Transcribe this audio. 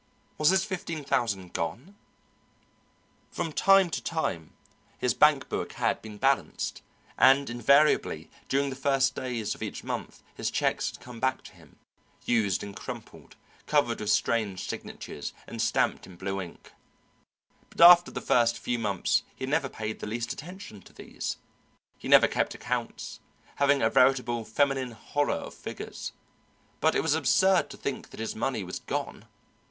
Was his fifteen thousand gone? From time to time his bank book had been balanced, and invariably during the first days of each month his checks had come back to him, used and crumpled, covered with strange signatures and stamped in blue ink; but after the first few months he had never paid the least attention to these; he never kept accounts, having a veritable feminine horror of figures. But it was absurd to think that his money was gone.